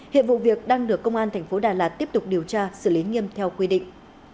hiện vụ việc đang được công an thành phố đà lạt tiếp tục điều tra xử lý nghiêm theo quy định